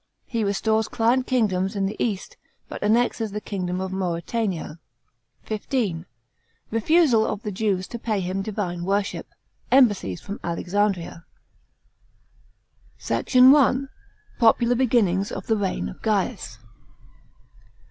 He restores client kingdoms in the East, but annexes the kingdom of Mauretania. § 15. Refusal of the Jews to pay him divine worship. Embassies from Alexandria. SECT. I. — Popt'LAB BEGINNINGS OF THE REIGN OF GAIUS.